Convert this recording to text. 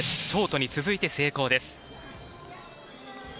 ショートに続いて成功です。